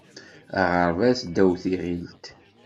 Aɣerbaz ddaw tiɣilt.